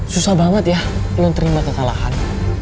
susah banget ya lo terima kesalahan